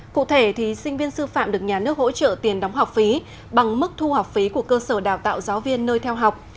cụ thể sinh viên sư phạm được nhà nước hỗ trợ tiền đóng học phí bằng mức thu học phí của cơ sở đào tạo giáo viên nơi theo học